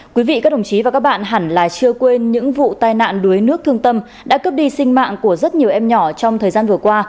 quý vị các đồng chí và các bạn hẳn là chưa quên những vụ tai nạn đuối nước thương tâm đã cướp đi sinh mạng của rất nhiều em nhỏ trong thời gian vừa qua